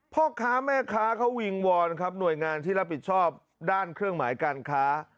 พ่อค้าแม่ค้าเขาวิงวอนครับหน่วยงานที่รับผิดชอบด้านเครื่องหมายการค้า